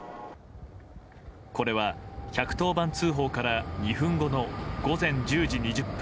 これは１１０番通報から２分後の午前１０時２０分。